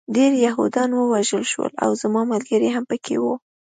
ډېر یهودان ووژل شول او زما ملګري هم پکې وو